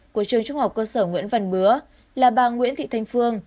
của trường trung học cơ sở nguyễn văn bứa là bà nguyễn thị thanh phương